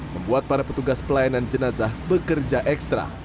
membuat para petugas pelayanan jenazah bekerja ekstra